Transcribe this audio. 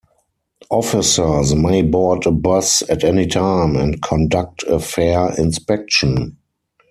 Officers may board a bus at any time and conduct a fare inspection.